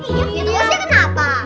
iya ketawa sih kenapa